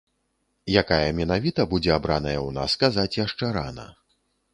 Якая менавіта будзе абраная ў нас, казаць яшчэ рана.